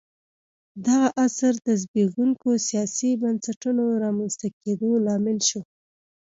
دغه عصر د زبېښونکو سیاسي بنسټونو رامنځته کېدو لامل شو